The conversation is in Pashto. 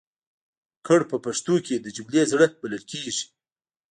کړ په پښتو کې د جملې زړه بلل کېږي.